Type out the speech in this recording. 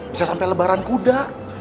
bisa sampai lebaran kuda